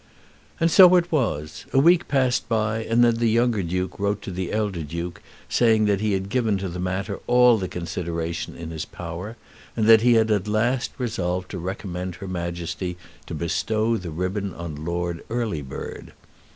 And so it was. A week passed by, and then the younger Duke wrote to the elder Duke saying that he had given to the matter all the consideration in his power, and that he had at last resolved to recommend her Majesty to bestow the ribbon on Lord Earlybird.